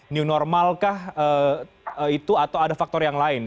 new normal kah itu atau ada faktor yang lain